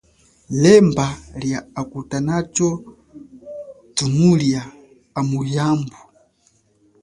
Lemba, lie akutanatsho thumulia amu yambu.